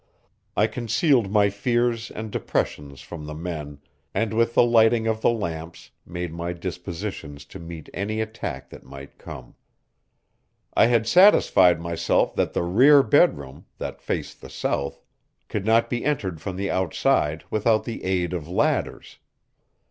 I concealed my fears and depressions from the men, and with the lighting of the lamps made my dispositions to meet any attack that might come. I had satisfied myself that the rear bedroom, that faced the south, could not be entered from the outside without the aid of ladders.